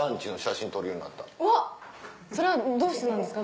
わっそれはどうしてなんですか？